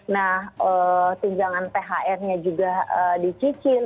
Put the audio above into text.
nah tunjangan thr nya juga dicicil